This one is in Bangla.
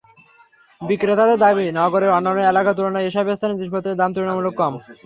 বিক্রেতাদের দাবি, নগরের অন্যান্য এলাকার তুলনায় এসব স্থানে জিনিসপত্রের দাম তুলনামূলক কম।